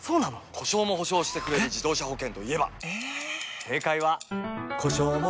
故障も補償してくれる自動車保険といえば？